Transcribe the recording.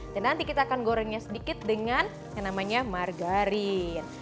dan nanti kita akan gorengnya sedikit dengan yang namanya margarin